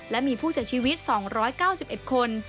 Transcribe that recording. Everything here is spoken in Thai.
และมีผู้เสียชีวิต๒๙๑คน